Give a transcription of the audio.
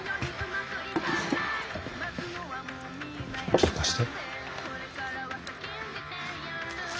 ちょっと貸して。